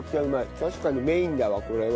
確かにメインだわこれは。